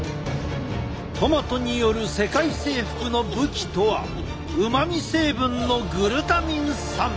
トマトによる世界征服の武器とはうまみ成分のグルタミン酸。